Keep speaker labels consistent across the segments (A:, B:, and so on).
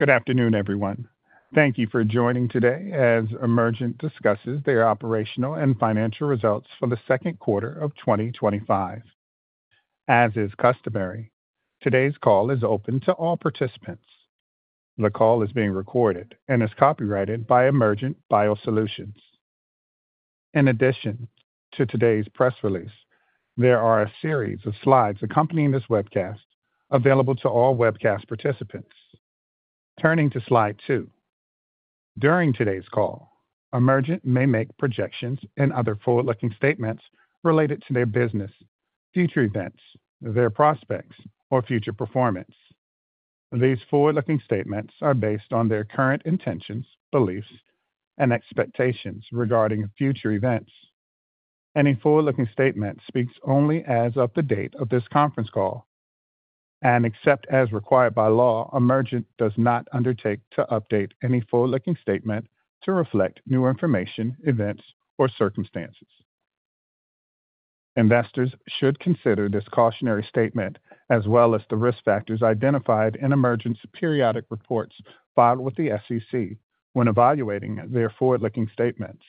A: Good afternoon, everyone. Thank you for joining today as Emergent discusses their operational and financial results for the second quarter of 2025. As is customary, today's call is open to all participants. The call is being recorded and is copyrighted by Emergent BioSolutions. In addition to today's press release, there are a series of slides accompanying this webcast available to all webcast participants. Turning to slide two, during today's call, Emergent may make projections and other forward-looking statements related to their business, future events, their prospects, or future performance. These forward-looking statements are based on their current intentions, beliefs, and expectations regarding future events. Any forward-looking statement speaks only as of the date of this conference call, and except as required by law, Emergent BioSolutions does not undertake to update any forward-looking statement to reflect new information, events, or circumstances. Investors should consider this cautionary statement as well as the risk factors identified in Emergent's periodic reports filed with the SEC when evaluating their forward-looking statements.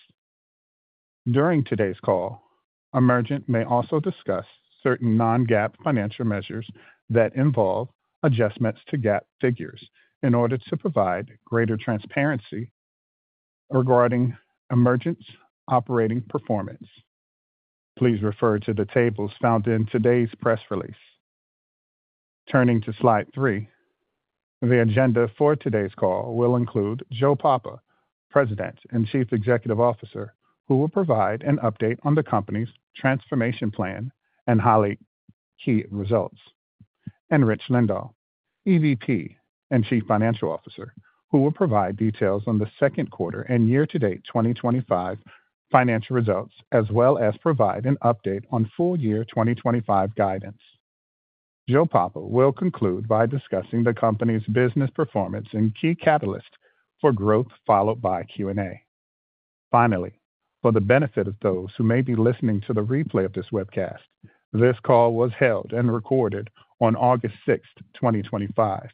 A: During today's call, Emergent may also discuss certain non-GAAP financial measures that involve adjustments to GAAP figures in order to provide greater transparency regarding Emergent's operating performance. Please refer to the tables found in today's press release. Turning to slide three, the agenda for today's call will include Joe Papa, President and Chief Executive Officer, who will provide an update on the company's transformation plan and highly key results, and Richard S. Lindahl, Executive Vice President and Chief Financial Officer, who will provide details on the second quarter and year-to-date 2025 financial results, as well as provide an update on full-year 2025 guidance. Joe Papa will conclude by discussing the company's business performance and key catalysts for growth, followed by Q&A. Finally, for the benefit of those who may be listening to the replay of this webcast, this call was held and recorded on August 6, 2025.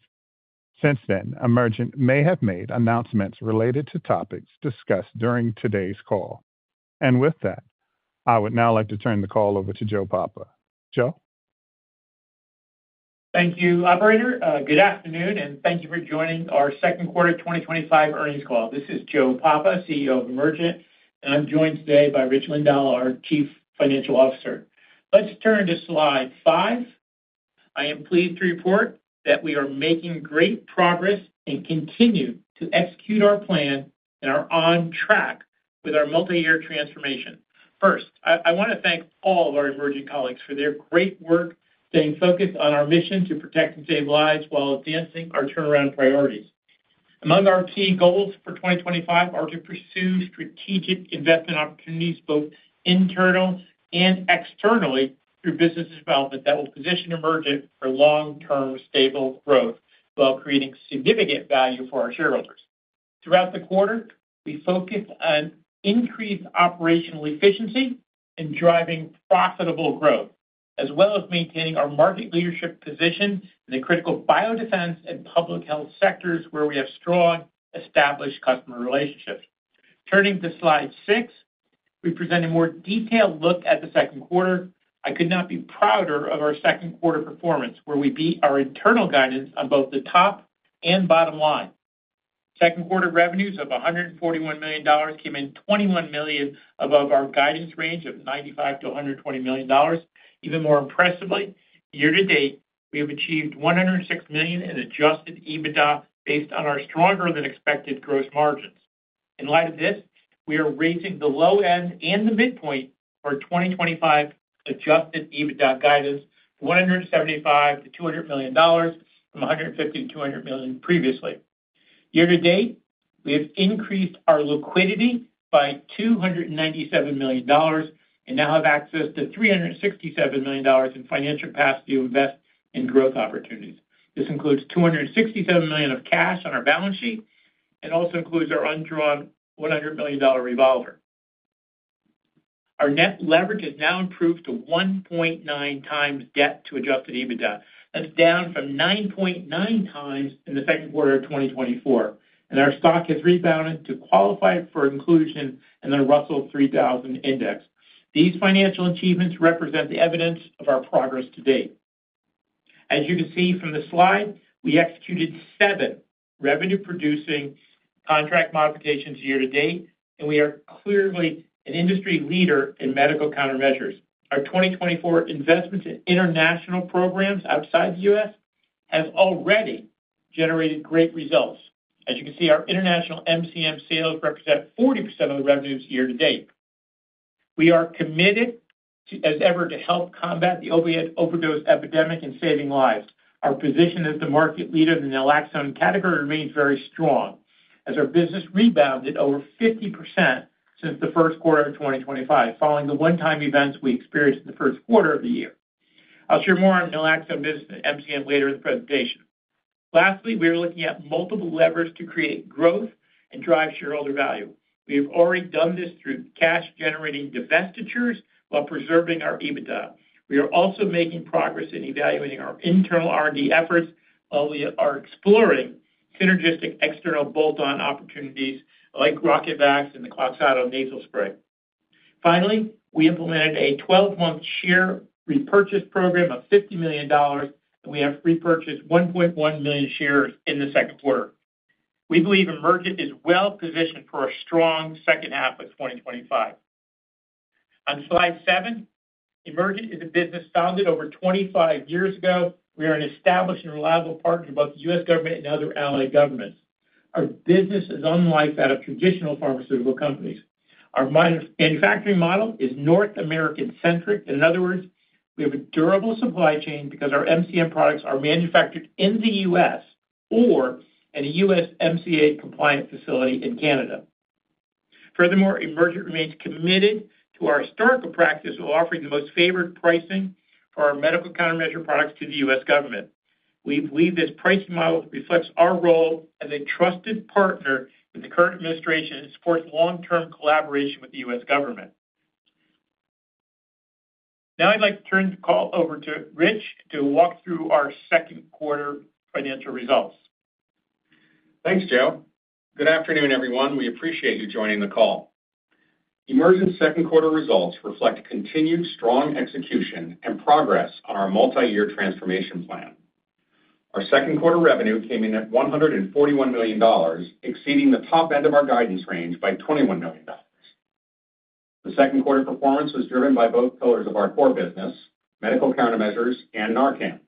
A: Since then, Emergen may have made announcements related to topics discussed during today's call. With that, I would now like to turn the call over to Joe Papa. Joe.
B: Thank you, operator. Good afternoon, and thank you for joining our second quarter 2025 earnings call. This is Joe Papa, CEO of Emergent, and I'm joined today by Rich Lindahl, our Chief Financial Officer. Let's turn to slide five. I am pleased to report that we are making great progress and continue to execute our plan and are on track with our multi-year transformation. First, I want to thank all of our Emergent colleagues for their great work, staying focused on our mission to protect and save lives while advancing our turnaround priorities. Among our key goals for 2025 are to pursue strategic investment opportunities, both internally and externally, through business development that will position Emergent BioSolutions for long-term stable growth while creating significant value for our shareholders. Throughout the quarter, we focused on increased operational efficiency and driving profitable growth, as well as maintaining our market leadership position in the critical biodefense and public health sectors where we have strong, established customer relationships. Turning to slide six, we present a more detailed look at the second quarter. I could not be prouder of our second quarter performance, where we beat our internal guidance on both the top and bottom line. Second quarter revenues of $141 million came in $21 million above our guidance range of $95 million-$120 million. Even more impressively, year to date, we have achieved $106 million in adjusted EBITDA based on our stronger than expected gross margins. In light of this, we are raising the low end and the midpoint for our 2025 adjusted EBITDA guidance, $175 million-$200 million from $150 million-$200 million previously. Year to date, we have increased our liquidity by $297 million and now have access to $367 million in financial capacity to invest in growth opportunities. This includes $267 million of cash on our balance sheet and also includes our undrawn $100 million revolver. Our net leverage has now improved to 1.9x debt to adjusted EBITDA. That's down from 9.9 times in the second quarter of 2024. Our stock has rebounded to qualify for inclusion in the Russell 3000 index. These financial achievements represent the evidence of our progress to date. As you can see from the slide, we executed seven revenue-producing contract modifications year to date, and we are clearly an industry leader in medical countermeasures. Our 2024 investment in international programs outside the U.S. has already generated great results. As you can see, our international medical countermeasures sales represent 40% of the revenues year to date. We are committed to, as ever, to help combat the opioid overdose epidemic and saving lives. Our position as the market leader in the naloxone category remains very strong, as our business rebounded over 50% since the first quarter of 2024, following the one-time events we experienced in the first quarter of the year. I'll share more on naloxone business and medical countermeasures later in the presentation. Lastly, we are looking at multiple levers to create growth and drive shareholder value. We have already done this through cash-generating divestitures while preserving our EBITDA. We are also making progress in evaluating our internal R&D efforts, although we are exploring synergistic external bolt-on opportunities like RocketVax and the Kloxxado nasal spray. Finally, we implemented a 12-month share repurchase program of $50 million, and we have repurchased 1.1 million shares in the second quarter. We believe Emergent BioSolutions is well positioned for a strong second half of 2024. On slide seven, Emergent is a business founded over 25 years ago. We are an established and reliable partner to both the U.S. government and other allied governments. Our business is unlike that of traditional pharmaceutical companies. Our manufacturing model is North American-centric. In other words, we have a durable supply chain because our medical countermeasure products are manufactured in the U.S. or in a USMCA compliant facility in Canada. Furthermore, Emergent BioSolutions remains committed to our historical practice of offering the most-favored pricing for our medical countermeasure products to the U.S. government. We believe this pricing model reflects our role as a trusted partner with the current administration and supports long-term collaboration with the U.S. government. Now I'd like to turn the call over to Rich to walk through our second quarter financial results.
C: Thanks, Joe. Good afternoon, everyone. We appreciate you joining the call. Emergent's second quarter results reflect continued strong execution and progress on our multi-year transformation plan. Our second quarter revenue came in at $141 million, exceeding the top end of our guidance range by $21 million. The second quarter's performance was driven by both pillars of our core business, medical countermeasures, and Narcan.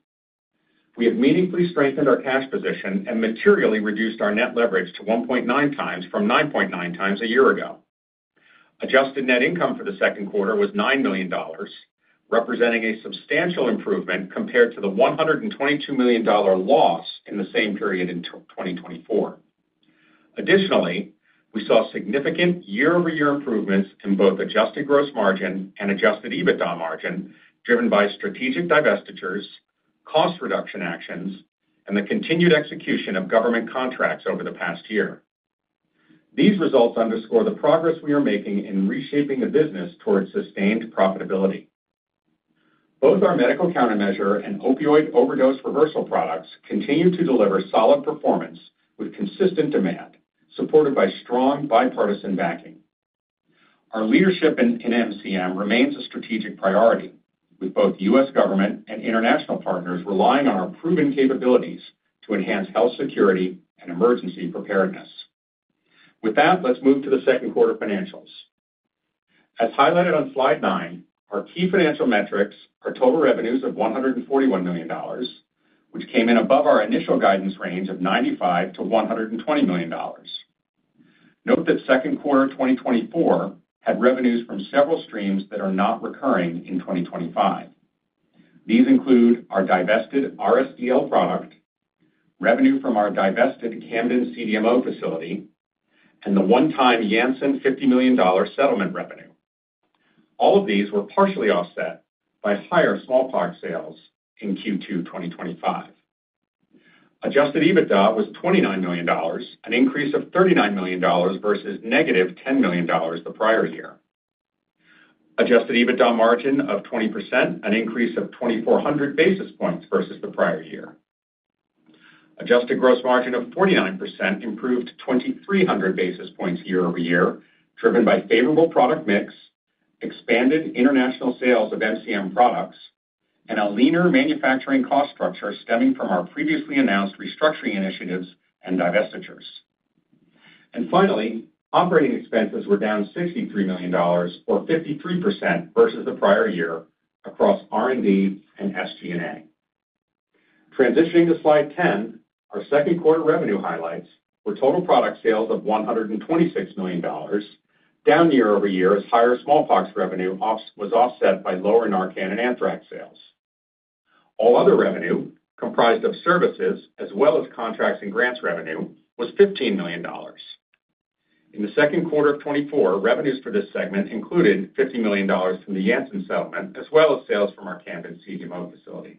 C: We have meaningfully strengthened our cash position and materially reduced our net leverage to 1.9x from 9.9x a year ago. Adjusted net income for the second quarter was $9 million, representing a substantial improvement compared to the $122 million loss in the same period in 2024. Additionally, we saw significant year-over-year improvements in both adjusted gross margin and adjusted EBITDA margin, driven by strategic divestitures, cost reduction actions, and the continued execution of government contracts over the past year. These results underscore the progress we are making in reshaping the business towards sustained profitability. Both our medical countermeasure and opioid overdose reversal products continue to deliver solid performance with consistent demand, supported by strong bipartisan backing. Our leadership in MCM remains a strategic priority, with both U.S. government and international partners relying on our proven capabilities to enhance health security and emergency preparedness. With that, let's move to the second quarter financials. As highlighted on slide nine, our key financial metrics are total revenues of $141 million, which came in above our initial guidance range of $95 million-$120 million. Note that second quarter 2024 had revenues from several streams that are not recurring in 2025. These include our divested RSDL product, revenue from our divested Camden CDMO facility, and the one-time Janssen $50 million settlement revenue. All of these were partially offset by higher smallpox sales in Q2 2025. Adjusted EBITDA was $29 million, an increase of $39 million versus -$10 million the prior year. Adjusted EBITDA margin of 20%, an increase of 2,400 basis points versus the prior year. Adjusted gross margin of 49% improved to 2,300 basis points year-over-year, driven by favorable product mix, expanded international sales of MCM products, and a leaner manufacturing cost structure stemming from our previously announced restructuring initiatives and divestitures. Finally, operating expenses were down $63 million, or 53% versus the prior year, across R&D and SG&A. Transitioning to slide 10, our second quarter revenue highlights, where total product sales of $126 million were down year-over-year as higher smallpox revenue was offset by lower Narcan and anthrax sales. All other revenue, comprised of services as well as contracts and grants revenue, was $15 million. In the second quarter of 2024, revenues for this segment included $50 million from the Janssen settlement as well as sales from our Camden CDMO facility.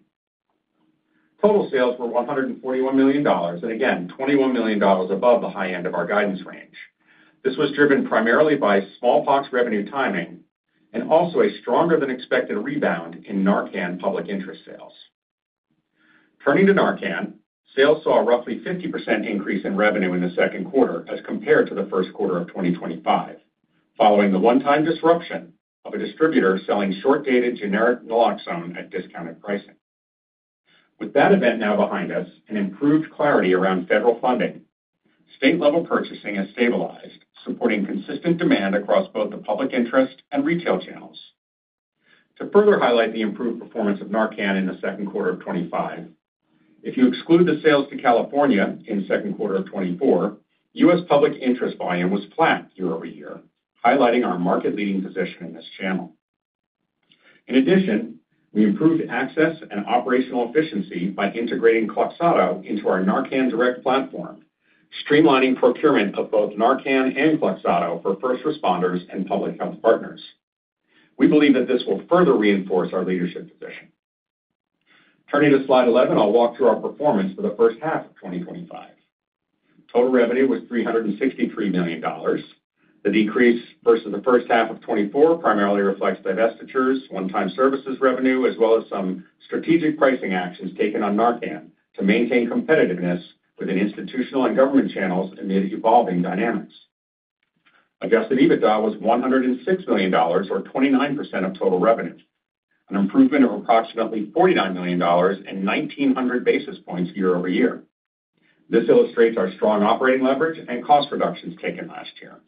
C: Total sales were $141 million, $21 million above the high end of our guidance range. This was driven primarily by smallpox revenue timing and also a stronger than expected rebound in Narcan public interest sales. Turning to Narcan, sales saw a roughly 50% increase in revenue in the second quarter as compared to the first quarter of 2025, following the one-time disruption of a distributor selling short-dated generic naloxone at discounted pricing. With that event now behind us and improved clarity around federal funding, state-level purchasing has stabilized, supporting consistent demand across both the public interest and retail channels. To further highlight the improved performance of Narcan in the second quarter of 2025, if you exclude the sales to California in the second quarter of 2024, U.S. public interest volume was flat year-over-year, highlighting our market-leading position in this channel. In addition, we improved access and operational efficiency by integrating Kloxxado into our Narcan Direct platform, streamlining procurement of both Narcan and Kloxxado for first responders and public health partners. We believe that this will further reinforce our leadership position. Turning to slide 11, I'll walk through our performance for the first half of 2025. Total revenue was $363 million. The decrease versus the first half of 2024 primarily reflects divestitures, one-time services revenue, as well as some strategic pricing actions taken on Narcan to maintain competitiveness within institutional and government channels amid evolving dynamics. Adjusted EBITDA was $106 million, or 29% of total revenue, an improvement of approximately $49 million and 1,900 basis points year-over-year. This illustrates our strong operating leverage and cost reductions taken last year.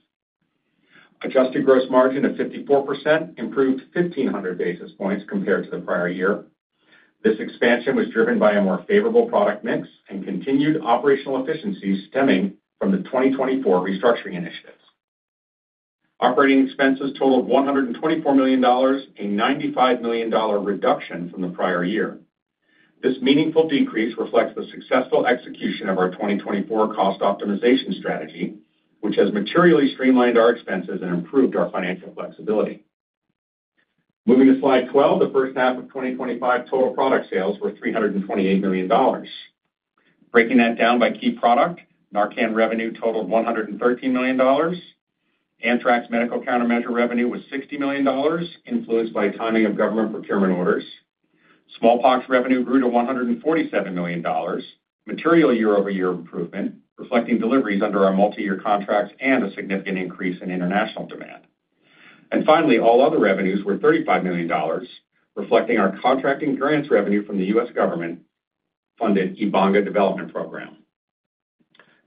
C: Adjusted gross margin of 54% improved 1,500 basis points compared to the prior year. This expansion was driven by a more favorable product mix and continued operational efficiencies stemming from the 2024 restructuring initiative. Operating expenses totaled $124 million, a $95 million reduction from the prior year. This meaningful decrease reflects the successful execution of our 2024 cost optimization strategy, which has materially streamlined our expenses and improved our financial flexibility. Moving to slide 12, the first half of 2025 total product sales were $328 million. Breaking that down by key product, Narcan revenue totaled $113 million. Anthrax medical countermeasure revenue was $60 million, influenced by timing of government procurement orders. Smallpox revenue grew to $147 million, material year-over-year improvement, reflecting deliveries under our multi-year contracts and a significant increase in international demand. Finally, all other revenues were $35 million, reflecting our contracting grants revenue from the U.S. government-funded EBONDA development program.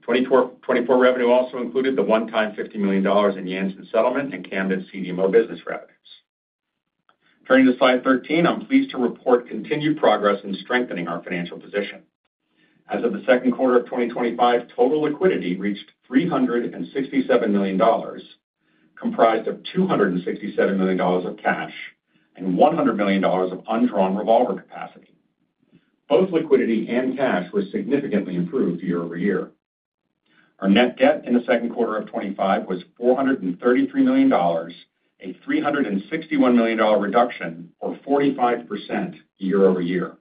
C: 2024 revenue also included the one-time $50 million in Janssen settlement and Camden CDMO business revenues. Turning to slide 13, I'm pleased to report continued progress in strengthening our financial position. As of the second quarter of 2025, total liquidity reached $367 million, comprised of $267 million of cash and $100 million of undrawn revolver capacity. Both liquidity and cash were significantly improved year-over-year. Our net debt in the second quarter of 2025 was $433 million, a $361 million reduction, or 45% year-over-year.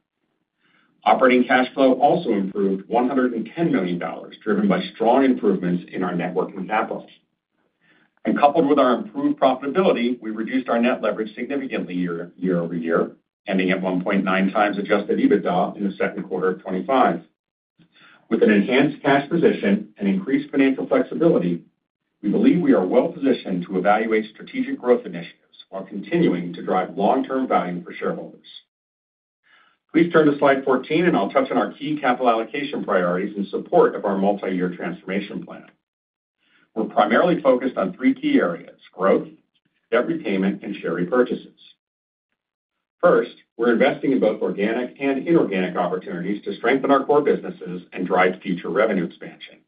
C: Operating cash flow also improved to $110 million, driven by strong improvements in our network metabolism. Coupled with our improved profitability, we reduced our net leverage significantly year-over-year, ending at 1.9x adjusted EBITDA in the second quarter of 2025. With an enhanced cash position and increased financial flexibility, we believe we are well positioned to evaluate strategic growth initiatives while continuing to drive long-term value for shareholders. Please turn to slide 14, and I'll touch on our key capital allocation priorities in support of our multi-year transformation plan. We're primarily focused on three key areas: growth, debt repayment, and share repurchases. First, we're investing in both organic and inorganic opportunities to strengthen our core businesses and drive future revenue expansion.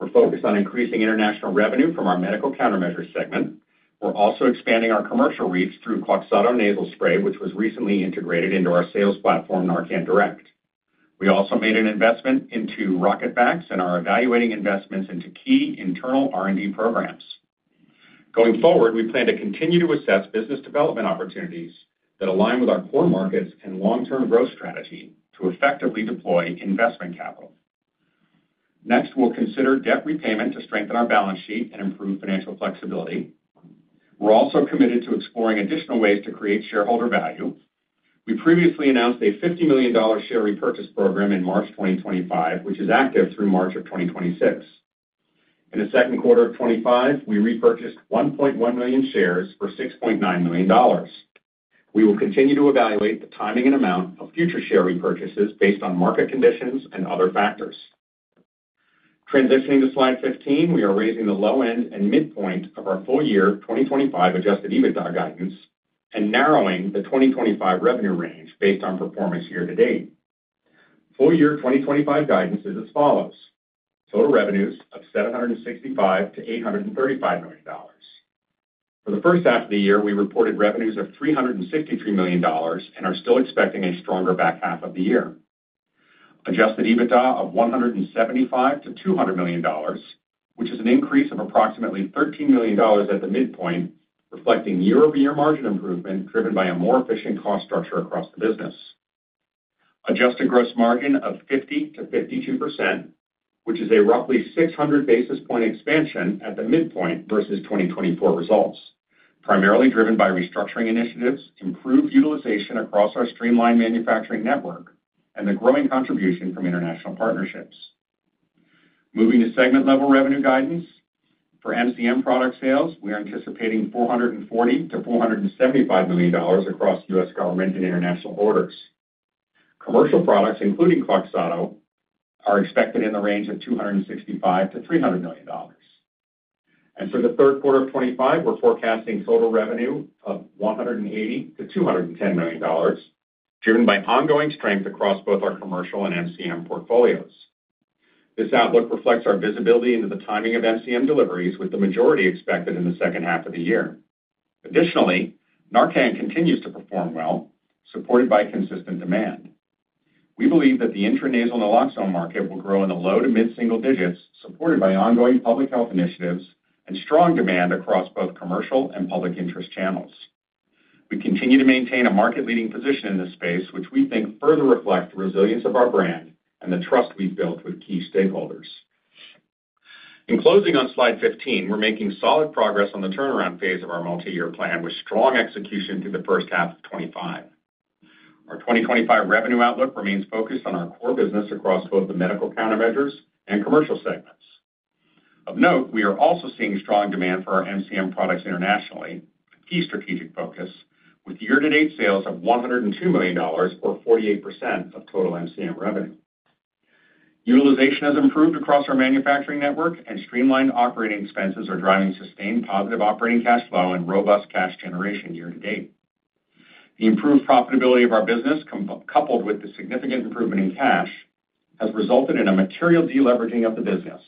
C: We're focused on increasing international revenue from our medical countermeasures segment. We're also expanding our commercial reach through Kloxxado nasal spray, which was recently integrated into our sales platform, Narcan Direct. We also made an investment into RocketVax and are evaluating investments into key internal R&D programs. Going forward, we plan to continue to assess business development opportunities that align with our core markets and long-term growth strategy to effectively deploy investment capital. Next, we'll consider debt repayment to strengthen our balance sheet and improve financial flexibility. We're also committed to exploring additional ways to create shareholder value. We previously announced a $50 million share repurchase program in March 2025, which is active through March of 2026. In the second quarter of 2025, we repurchased 1.1 million shares for $6.9 million. We will continue to evaluate the timing and amount of future share repurchases based on market conditions and other factors. Transitioning to slide 15, we are raising the low end and midpoint of our full-year 2025 adjusted EBITDA guidance and narrowing the 2025 revenue range based on performance year to date. Full-year 2025 guidance is as follows: total revenues of $765 million-$835 million. For the first half of the year, we reported revenues of $363 million and are still expecting a stronger back half of the year. Adjusted EBITDA of $175 million-$200 million, which is an increase of approximately $13 million at the midpoint, reflecting year-over-year margin improvement driven by a more efficient cost structure across the business. Adjusted gross margin of 50%-52%, which is a roughly 600 basis point expansion at the midpoint versus 2024 results, primarily driven by restructuring initiatives, improved utilization across our streamlined manufacturing network, and the growing contribution from international partnerships. Moving to segment-level revenue guidance, for MCM product sales, we are anticipating $440 million-$475 million across U.S. governments and international borders. Commercial products, including Kloxxado, are expected in the range of $265 million-$300 million. For the third quarter of 2025, we're forecasting total revenue of $180 million-$210 million, driven by ongoing strength across both our commercial and MCM portfolios. This outlook reflects our visibility into the timing of MCM deliveries, with the majority expected in the second half of the year. Additionally, Narcan continues to perform well, supported by consistent demand. We believe that the intranasal naloxone market will grow in the low to mid-single digits, supported by ongoing public health initiatives and strong demand across both commercial and public interest channels. We continue to maintain a market-leading position in this space, which we think further reflects the resilience of our brand and the trust we've built with key stakeholders. In closing on slide 15, we're making solid progress on the turnaround phase of our multi-year plan, with strong execution through the first half of 2025. Our 2025 revenue outlook remains focused on our core business across both the medical countermeasures and commercial segments. Of note, we are also seeing strong demand for our MCM products internationally, a key strategic focus, with year-to-date sales of $102 million, or 48% of total MCM revenue. Utilization has improved across our manufacturing network, and streamlined operating expenses are driving sustained positive operating cash flow and robust cash generation year to date. The improved profitability of our business, coupled with the significant improvement in cash, has resulted in a material deleveraging of the business.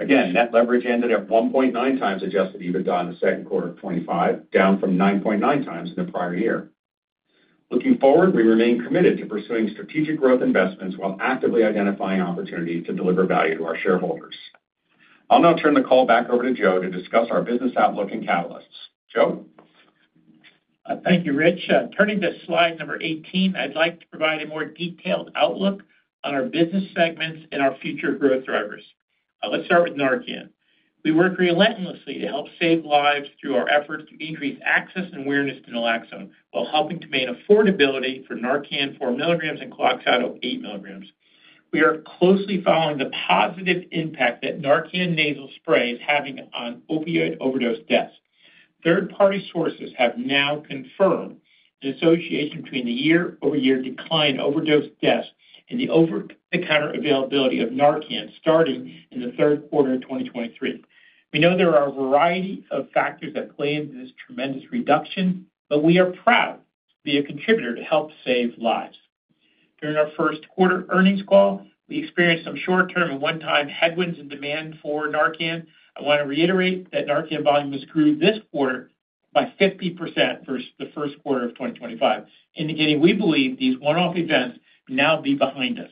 C: Again, net leverage ended at 1.9x adjusted EBITDA in the second quarter of 2025, down from 9.9x in the prior year. Looking forward, we remain committed to pursuing strategic growth investments while actively identifying opportunities to deliver value to our shareholders. I'll now turn the call back over to Joe to discuss our business outlook and catalysts. Joe?
B: Thank you, Rich. Turning to slide number 18, I'd like to provide a more detailed outlook on our business segments and our future growth drivers. Let's start with Narcan. We work relentlessly to help save lives through our efforts to increase access and awareness to naloxone while helping to maintain affordability for Narcan 4 mg and Kloxxado 8 mg. We are closely following the positive impact that Narcan Nasal Spray is having on opioid overdose deaths. Third-party sources have now confirmed an association between the year-over-year decline in overdose deaths and the over-the-counter availability of Narcan, starting in the third quarter of 2023. We know there are a variety of factors that play into this tremendous reduction, but we are proud to be a contributor to help save lives. During our first quarter earnings call, we experienced some short-term and one-time headwinds in demand for Narcan. I want to reiterate that Narcan volume has grew this quarter by 50% versus the first quarter of 2023, indicating we believe these one-off events now be behind us.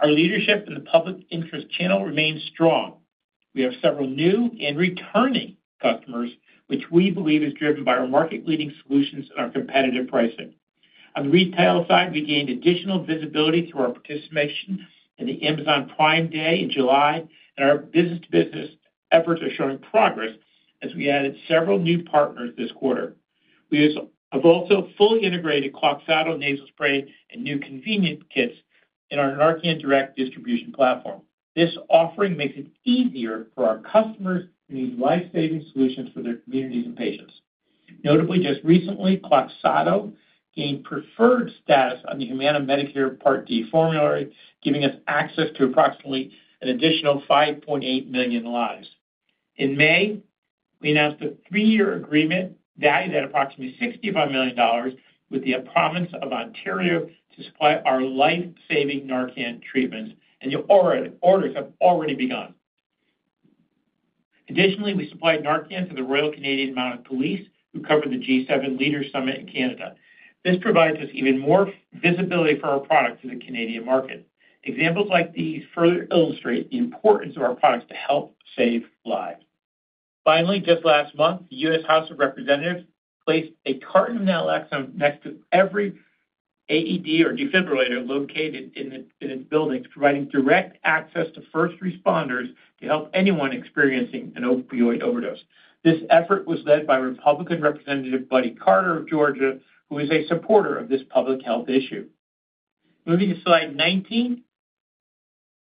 B: Our leadership in the public interest channel remains strong. We have several new and returning customers, which we believe are driven by our market-leading solutions and our competitive pricing. On the retail side, we gained additional visibility through our participation in the Amazon Prime Day in July, and our business-to-business efforts are showing progress as we added several new partners this quarter. We have also fully integrated Kloxxado nasal spray and new convenience kits in our Narcan Direct distribution platform. This offering makes it easier for our customers to use lifesaving solutions for their communities and patients. Notably, just recently, Kloxxado gained preferred status on the Humana Medicare Part D formulary, giving us access to approximately an additional 5.8 million lives. In May, we announced a three-year agreement valued at approximately $65 million, with the province of Ontario to supply our lifesaving Narcan treatments, and the orders have already begun. Additionally, we supplied Narcan to the Royal Canadian Mounted Police, who covered the G7 Leaders Summit in Canada. This provides us even more visibility for our products to the Canadian market. Examples like these further illustrate the importance of our products to help save lives. Finally, just last month, the U.S. House of Representatives placed a carton of naloxone next to every AED or defibrillator located in the buildings, providing direct access to first responders to help anyone experiencing an opioid overdose. This effort was led by Republican Representative Buddy Carter of Georgia, who is a supporter of this public health issue. Moving to slide 19,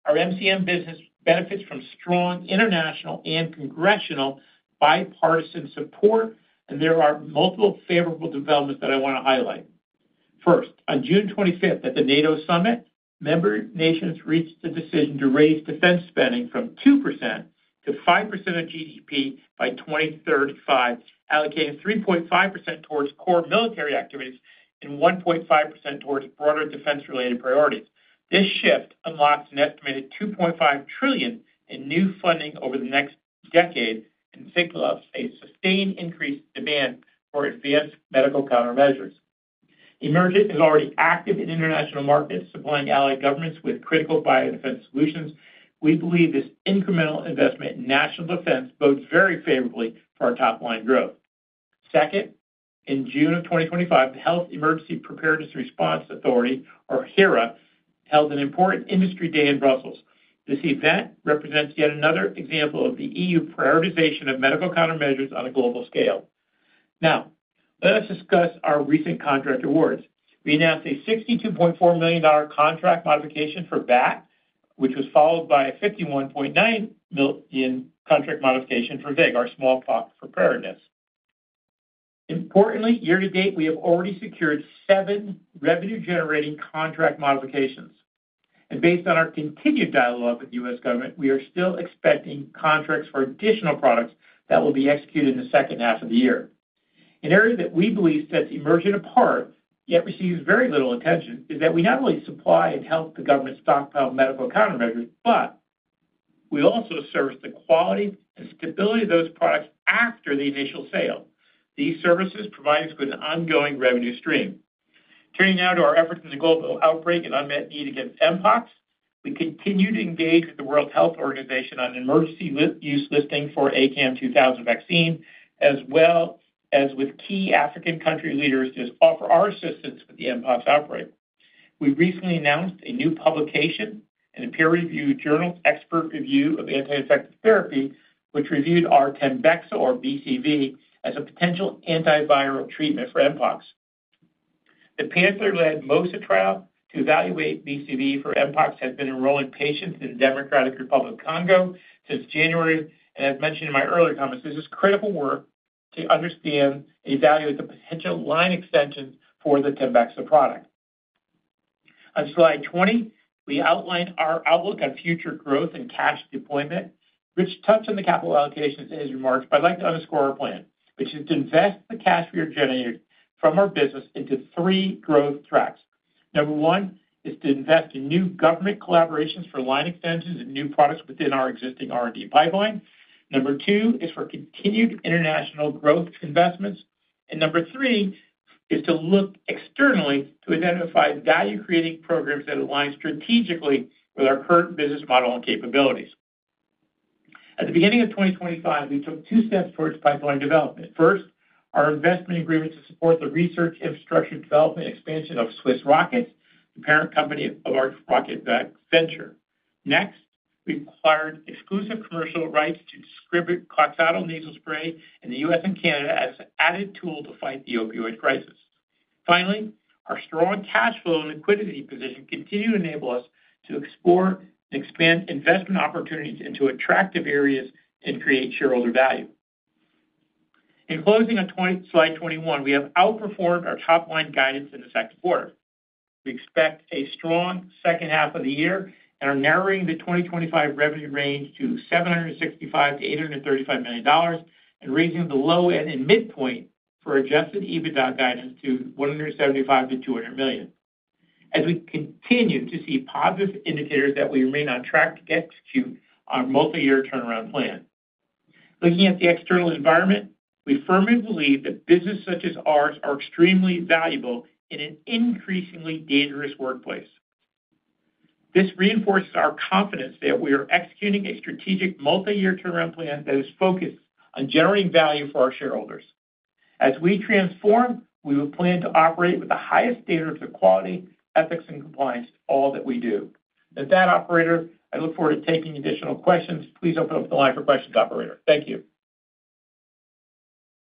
B: our MCM business benefits from strong international and congressional bipartisan support, and there are multiple favorable developments that I want to highlight. First, on June 25th at the NATO Summit, member nations reached a decision to raise defense spending from 2%-5% of GDP by 2035, allocating 3.5% towards core military activities and 1.5% towards broader defense-related priorities. This shift unlocks an estimated $2.5 trillion in new funding over the next decade and signals a sustained increase in demand for advanced medical countermeasures. Emergent is already active in international markets, supplying allied governments with critical biodefense solutions. We believe this incremental investment in national defense bodes very favorably for our top-line growth. Second, in June of 2025, the Health Emergency Preparedness and Response Authority, or HERA, held an important industry day in Brussels. This event represents yet another example of the EU prioritization of medical countermeasures on a global scale. Now, let us discuss our recent contract awards. We announced a $62.4 million contract modification for VAC, which was followed by a $51.9 million contract modification for VEG, our smallpox preparedness. Importantly, year to date, we have already secured seven revenue-generating contract modifications. Based on our continued dialogue with the U.S. government, we are still expecting contracts for additional products that will be executed in the second half of the year. An area that we believe sets Emergent apart, yet receives very little attention, is that we not only supply and help the government stockpile medical countermeasures, but we also service the quality and stability of those products after the initial sale. These services provide us with an ongoing revenue stream. Turning now to our efforts in the global outbreak and unmet need against Mpox, we continue to engage with the World Health Organization on emergency use listing for ACAM2000 vaccines, as well as with key African country leaders to offer our assistance with the Mpox outbreak. We recently announced a new publication in a peer-reviewed journal's expert review of anti-infectious therapy, which reviewed TEMBEXA, or BCV, as a potential antiviral treatment for Mpox. The Panther-led MOSA trial to evaluate BCV for Mpox has been enrolling patients in the Democratic Republic of Congo since January. As mentioned in my earlier comments, this is critical work to understand and evaluate the potential line extensions for the temesta product. On slide 20, we outlined our outlook on future growth and cash deployment. Rich touched on the capital allocations in his remarks, but I'd like to underscore our plan, which is to invest the cash we are generating from our business into three growth tracks. Number one is to invest in new government collaborations for line extensions and new products within our existing R&D pipeline. Number two is for continued international growth investments. Number three is to look externally to identify value-creating programs that align strategically with our current business model and capabilities. At the beginning of 2025, we took two steps towards pipeline development. First, our investment agreement to support the research infrastructure development expansion of Swiss Rockets, the parent company of our RocketVax venture. Next, we acquired exclusive commercial rights to distribute Kloxxado nasal spray in the U.S. and Canada as an added tool to fight the opioid crisis. Finally, our strong cash flow and liquidity position continue to enable us to explore and expand investment opportunities into attractive areas and create shareholder value. In closing on slide 21, we have outperformed our top-line guidance in the second quarter. We expect a strong second half of the year and are narrowing the 2025 revenue range to $765 million-$835 million, and raising the low end and midpoint for adjusted EBITDA guidance to $175 million-$200 million. We continue to see positive indicators that we remain on track to execute our multi-year turnaround plan. Looking at the external environment, we firmly believe that businesses such as ours are extremely valuable in an increasingly dangerous workplace. This reinforces our confidence that we are executing a strategic multi-year turnaround plan that is focused on generating value for our shareholders. As we transform, we will plan to operate with the highest standards of quality, ethics, and compliance in all that we do. With that, operator, I look forward to taking additional questions. Please don't feel like the live requested, operator. Thank you.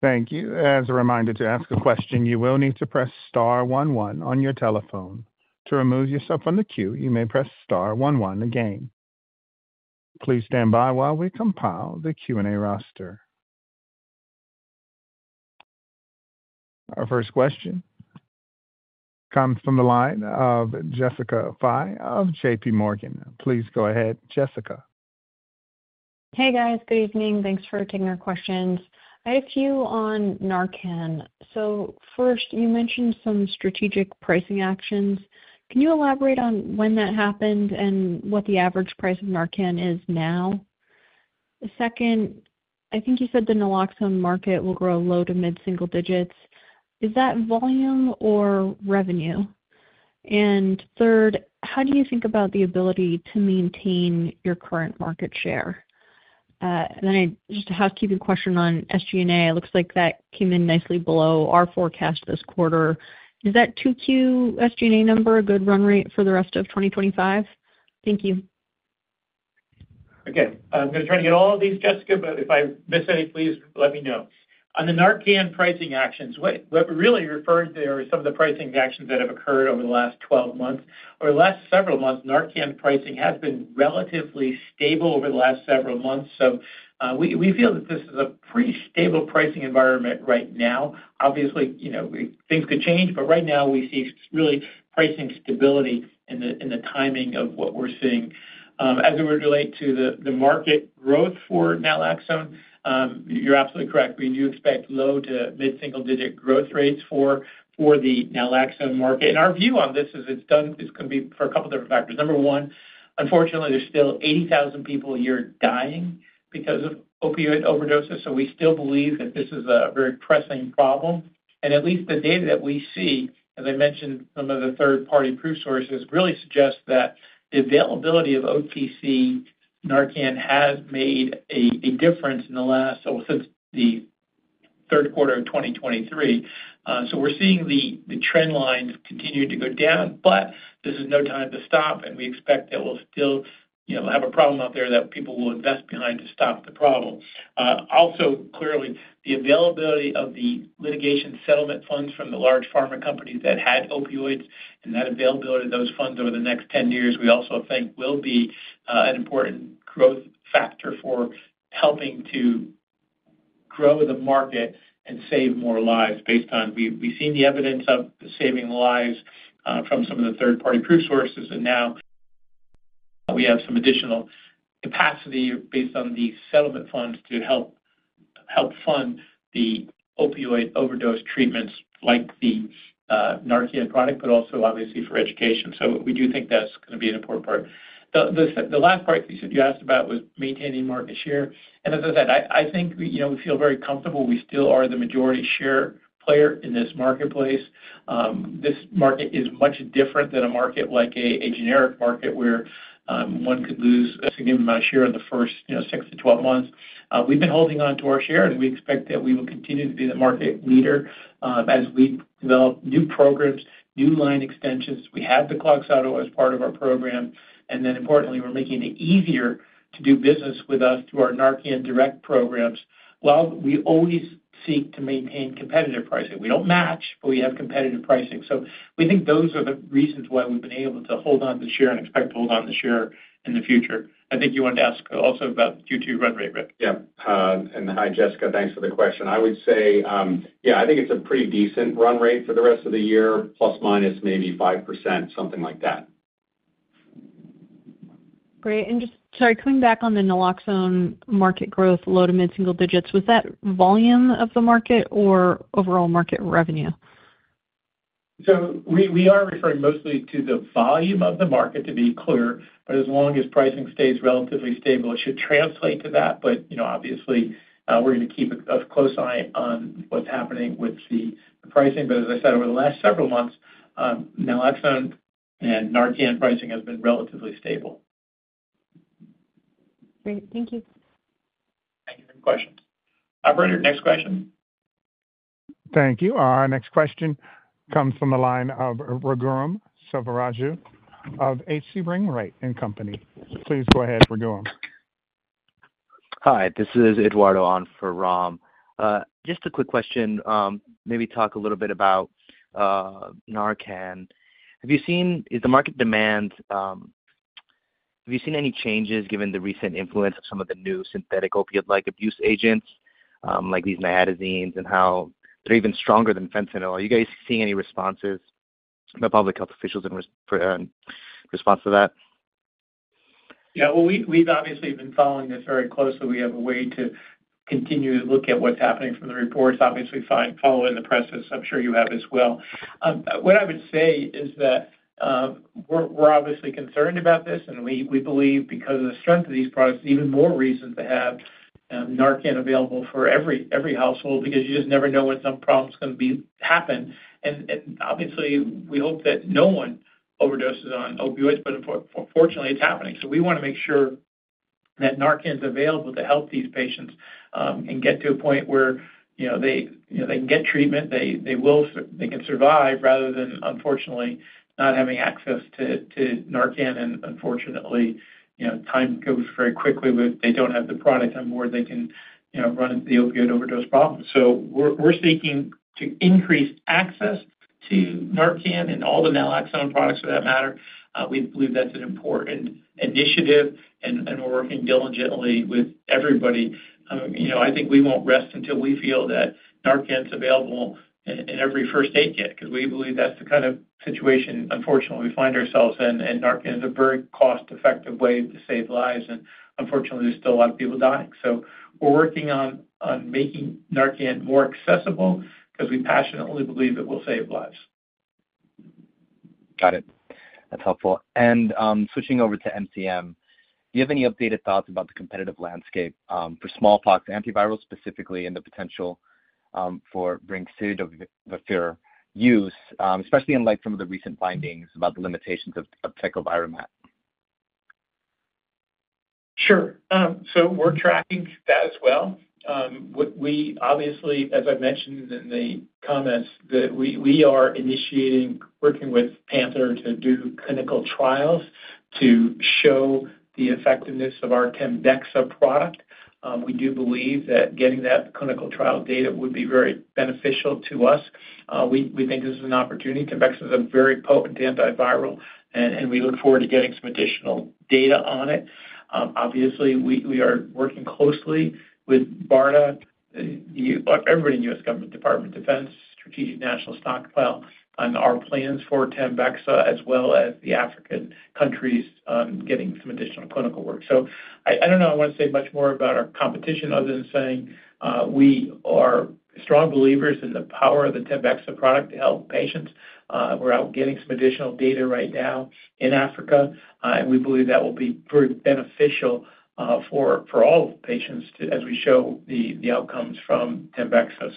A: Thank you. As a reminder, to ask a question, you will need to press star one one on your telephone. To remove yourself from the queue, you may press star one one again. Please stand by while we compile the Q&A roster. Our first question comes from the line of Jessica Fye of JPMorgan. Please go ahead, Jessica.
D: Hey, guys. Good evening. Thanks for taking our questions. I had a few on Narcan. First, you mentioned some strategic pricing actions. Can you elaborate on when that happened and what the average price of Narcan is now? Second, I think you said the naloxone market will grow low to mid-single digits. Is that volume or revenue? Third, how do you think about the ability to maintain your current market share? I just have a housekeeping question on SG&A. It looks like that came in nicely below our forecast this quarter. Is that 2Q SG&A number a good run rate for the rest of 2025? Thank you.
B: Again, I'm going to try to get all of these, Jessica, but if I miss any, please let me know. On the Narcan pricing actions, what we really referred to are some of the pricing actions that have occurred over the last 12 months. Over the last several months, Narcan pricing has been relatively stable over the last several months. We feel that this is a pretty stable pricing environment right now. Obviously, you know things could change, but right now we see really pricing stability in the timing of what we're seeing. As it would relate to the market growth for naloxone, you're absolutely correct. We do expect low to mid-single digit growth rates for the naloxone market. Our view on this is it's done is going to be for a couple of different factors. Number one, unfortunately, there's still 80,000 people a year dying because of opioid overdoses. We still believe that this is a very pressing problem. At least the data that we see, as I mentioned, some of the third-party proof sources really suggest that the availability of OTC Narcan has made a difference since the third quarter of 2023. We're seeing the trend line continue to go down, but this is no time to stop. We expect that we'll still have a problem out there that people will invest behind to stop the problem. Also, clearly, the availability of the litigation settlement funds from the large pharma companies that had opioids and that availability of those funds over the next 10 years, we also think will be an important growth factor for helping to grow the market and save more lives based on we've seen the evidence of saving lives from some of the third-party proof sources. Now we have some additional capacity based on the settlement funds to help fund the opioid overdose treatments like the Narcan product, but also obviously for education. We do think that's going to be an important part. The last part you asked about was maintaining market share. As I said, I think we feel very comfortable. We still are the majority share player in this marketplace. This market is much different than a market like a generic market where one could lose a significant amount of share in the first 6 months-12 months. We've been holding on to our share, and we expect that we will continue to be the market leader as we develop new programs, new line extensions. We have the Kloxxado as part of our program. Importantly, we're making it easier to do business with us through our Narcan Direct programs while we always seek to maintain competitive pricing. We don't match, but we have competitive pricing. We think those are the reasons why we've been able to hold on to share and expect to hold on to share in the future. I think you wanted to ask also about the Q2 run rate.
C: Hi, Jessica. Thanks for the question. I would say, yeah, I think it's a pretty decent run rate for the rest of the year, plus minus maybe 5%, something like that.
D: Great. Sorry, coming back on the naloxone market growth, low to mid-single digits, was that volume of the market or overall market revenue?
B: We are referring mostly to the volume of the market, to be clear. As long as pricing stays relatively stable, it should translate to that. Obviously, we're going to keep a close eye on what's happening with the pricing. As I said, over the last several months, naloxone and Narcan pricing has been relatively stable.
D: Great. Thank you.
B: Thank you for the question. Operator, next question.
A: Thank you. Our next question comes from the line of Raghuram Sivaraju of H.C. Wainwright & Company. Please go ahead, Raghuram.
E: Hi. This is Eduardo on for Ram. Just a quick question. Maybe talk a little bit about Narcan. Have you seen the market demand? Have you seen any changes given the recent influence of some of the new synthetic opioid-like abuse agents, like these nitazenes and how they're even stronger than fentanyl? Are you guys seeing any responses by public health officials in response to that?
B: Yeah. We've obviously been following this very closely. We have a way to continue to look at what's happening from the reports. Obviously, following the presses, I'm sure you have as well. What I would say is that we're obviously concerned about this, and we believe because of the strength of these products, it's even more reason to have Narcan available for every household because you just never know when some problems are going to happen. We hope that no one overdoses on opioids, but unfortunately, it's happening. We want to make sure that Narcan is available to help these patients and get to a point where they can get treatment, they can survive rather than, unfortunately, not having access to Narcan. Unfortunately, you know time goes very quickly when they don't have the product on board that can run into the opioid overdose problem. We're seeking to increase access to Narcan and all the naloxone products for that matter. We believe that's an important initiative, and we're working diligently with everybody. I think we won't rest until we feel that Narcan is available in every first aid kit because we believe that's the kind of situation, unfortunately, we find ourselves in. Narcan is a very cost-effective way to save lives, and unfortunately, there's still a lot of people dying. We're working on making Narcan more accessible because we passionately believe it will save lives.
E: Got it. That's helpful. Switching over to MCM, do you have any updated thoughts about the competitive landscape for smallpox antivirals, specifically in the potential for bring-situ use, especially in light of some of the recent findings about the limitations of tecovirimat?
B: Sure. We're tracking that as well. We obviously, as I've mentioned in the comments, are initiating working with Panther to do clinical trials to show the effectiveness of our temesta product. We do believe that getting that clinical trial data would be very beneficial to us. We think this is an opportunity. temesta is a very potent antiviral, and we look forward to getting some additional data on it. We are working closely with BARDA, everybody in the U.S. Government Department of Defense, Strategic National Stockpile on our plans for temesta, as well as the African countries getting some additional clinical work. I don't know. I want to say much more about our competition other than saying we are strong believers in the power of the temesta product to help patients. We're out getting some additional data right now in Africa, and we believe that will be very beneficial for all of the patients as we show the outcomes from temesta.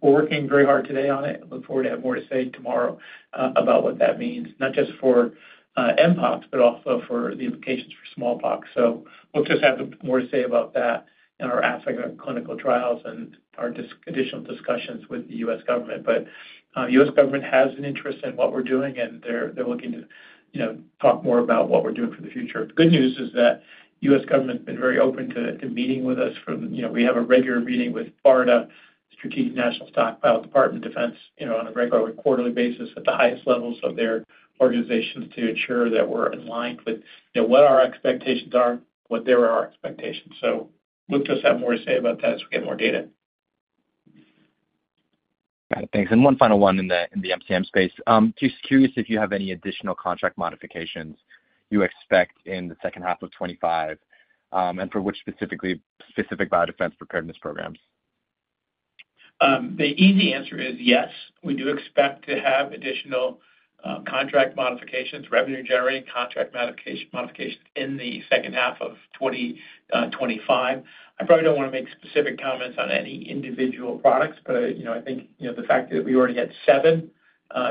B: We're working very hard today on it. I look forward to having more to say tomorrow about what that means, not just for Mpox, but also for the implications for smallpox. We'll just have more to say about that in our Africa clinical trials and our additional discussions with the U.S. government. The U.S. government has an interest in what we're doing, and they're looking to talk more about what we're doing for the future. The good news is that the U.S. government has been very open to meeting with us. We have a regular meeting with BARDA, Strategic National Stockpile Department of Defense, on a regular quarterly basis at the highest levels of their organizations to ensure that we're aligned with what our expectations are, what their expectations. We'll just have more to say about that as we get more data.
E: Got it. Thanks. One final one in the MCM space. Just curious if you have any additional contract modifications you expect in the second half of 2025 and for which specific biodefense preparedness programs?
B: The easy answer is yes. We do expect to have additional contract modifications, revenue-generating contract modifications in the second half of 2025. I probably don't want to make specific comments on any individual products, but I think the fact that we already had seven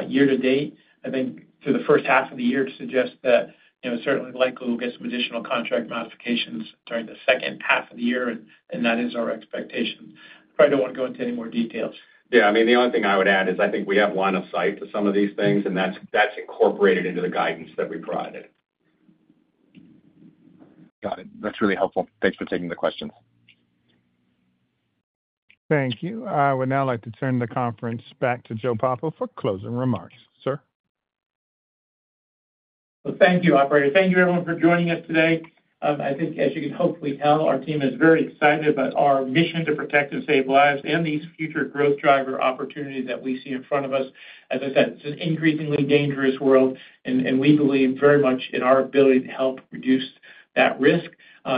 B: year to date, I think for the first half of the year suggests that it's certainly likely we'll get some additional contract modifications during the second half of the year, and that is our expectation. I probably don't want to go into any more details.
C: Yeah, I mean, the only thing I would add is I think we have line of sight to some of these things, and that's incorporated into the guidance that we provided.
E: Got it. That's really helpful. Thanks for taking the questions.
A: Thank you. I would now like to turn the conference back to Joe Papa for closing remarks, sir.
B: Thank you, operator. Thank you, everyone, for joining us today. I think, as you can hopefully tell, our team is very excited about our mission to protect and save lives and these future growth driver opportunities that we see in front of us. As I said, it's an increasingly dangerous world, and we believe very much in our ability to help reduce that risk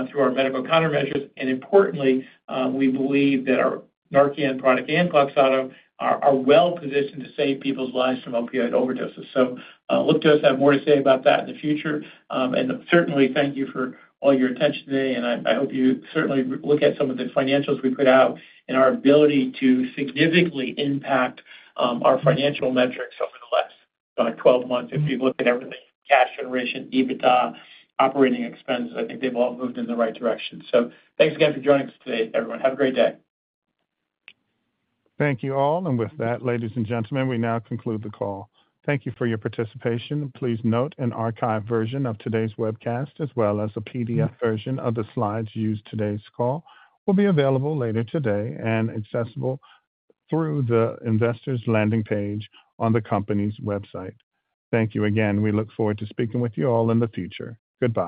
B: through our medical countermeasures. Importantly, we believe that our Narcan product and Kloxxado are well positioned to save people's lives from opioid overdoses. Look to us to have more to say about that in the future. Certainly, thank you for all your attention today, and I hope you certainly look at some of the financials we put out and our ability to significantly impact our financial metrics over the last 12 months. If you look at everything, cash generation, EBITDA, operating expenses, I think they've all moved in the right direction. Thanks again for joining us today, everyone. Have a great day.
A: Thank you all. With that, ladies and gentlemen, we now conclude the call. Thank you for your participation. Please note an archive version of today's webcast, as well as a PDF version of the slides used in today's call, will be available later today and accessible through the investor's landing page on the company's website. Thank you again. We look forward to speaking with you all in the future. Goodbye.